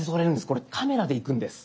これカメラでいくんです。